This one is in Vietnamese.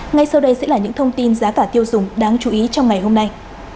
ngay sau đây sẽ là những thông tin giá cả tiêu dùng đáng chú ý trong ngày hôm nay